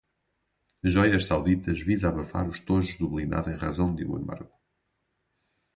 Joias sauditas visa abafar os estojos do blindado em razão do embargo